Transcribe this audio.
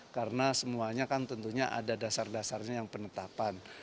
karena semuanya kan tentunya ada dasar dasarnya yang penetapan